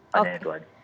hanya itu saja